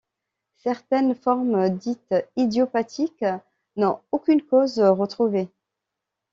Certaines formes, dites idiopathique, n'ont aucune cause retrouvée.